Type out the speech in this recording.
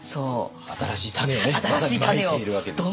新しい種をまさにまいているわけですね。